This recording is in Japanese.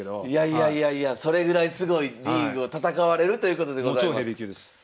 いやいやいやいやそれぐらいすごいリーグを戦われるということでございます。